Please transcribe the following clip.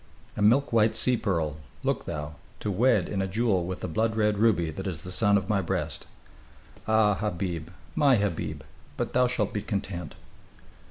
"A milk white sea pearl, look thou; to wed in a jewel with the blood red ruby that is the son of my breast. Ah, Habib, my Habib, but thou shalt be content!"